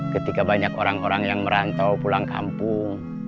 ketika banyak orang orang yang merantau pulang kampung